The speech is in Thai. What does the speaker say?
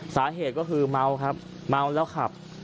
สาเหตุก็คือเมาครับเมาแล้วขับ